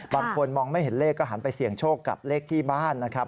บางคนมองไม่เห็นเลขก็หันไปเสี่ยงโชคกับเลขที่บ้านนะครับ